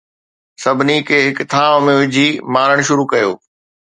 سڀني کي هڪ ٿانو ۾ وجھي مارڻ شروع ڪيو